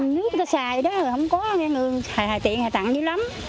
nước ta xài đó không có người xài tiền tặng như lắm